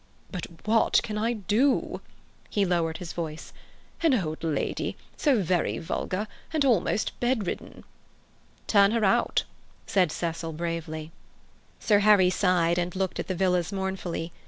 "But what can I do?" He lowered his voice. "An old lady, so very vulgar, and almost bedridden." "Turn her out," said Cecil bravely. Sir Harry sighed, and looked at the villas mournfully.